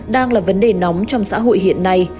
đang là vấn đề nóng trong xã hội hiện nay